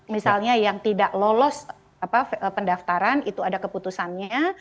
misalnya yang tidak lolos pendaftaran itu ada keputusannya